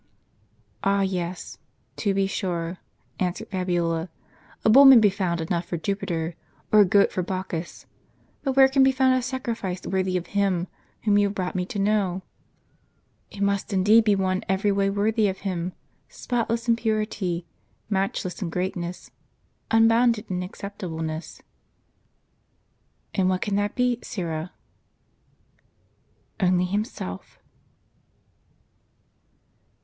"Ah, yes! to be sure," answered Fabiola. "A bull may be good enough for Jupiter, or a goat for Bacchus ; but where can be found a sacrifice worthy of Him whom you have brought me to know ?"" It must indeed be one every way worthy of Him, spotless in purity, matchless in greatness, unbounded in accepta bleness." " And what can that be, Syra ?"" Only Himself."